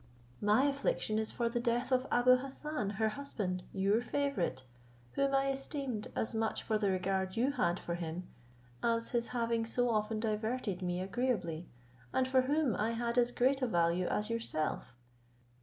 My affliction is for the death of Abou Hassan, her husband, your favourite, whom I esteemed, as much for the regard you had for him, as his having so often diverted me agreeably, and for whom I had as great a value as yourself.